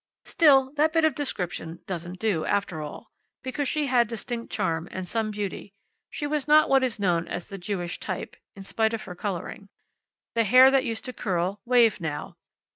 Still, that bit of description doesn't do, after all. Because she had distinct charm, and some beauty. She was not what is known as the Jewish type, in spite of her coloring. The hair that used to curl, waved now.